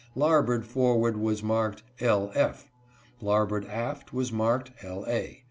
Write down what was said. ; larboard forward was marked "L. F. ;" larboard aft was marked "L. A."